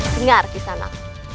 dengar di sana